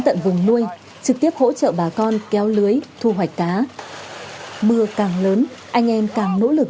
tận vùng nuôi trực tiếp hỗ trợ bà con kéo lưới thu hoạch cá mưa càng lớn anh em càng nỗ lực